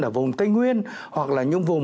ở vùng tây nguyên hoặc là những vùng